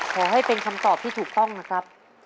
ขอให้เป็นคำตอบที่ถูกต้องนะครับ